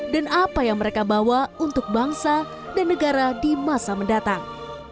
apa yang mereka bawa untuk bangsa dan negara di masa mendatang